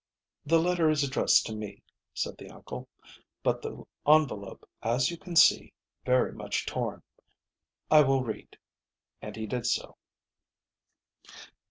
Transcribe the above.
"The letter is addressed to me," said the uncle. "But the envelope is, as you can see, very much torn. I will read," and he did so.